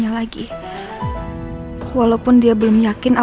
bagaiman pun lo sama dia